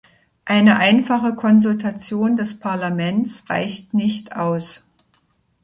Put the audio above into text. Eine einfache Konsultation des Parlaments reicht nicht aus.